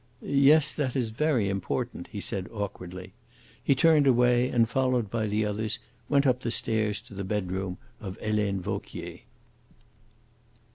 "Yes, that is very important," he said awkwardly. He turned away and, followed by the others, went up the stairs to the bedroom of Helene Vauquier.